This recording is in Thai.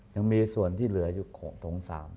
ยังมีส่วนที่เหลืออยู่โถง๓